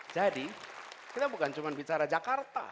jadi kita bukan cuma bicara jakarta